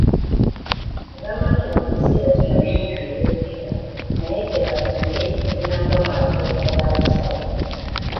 Agamba nti wadde ekiseera kino bingi ebyogerwa naye ke balinde ekinaava mu alipoota y’abasawo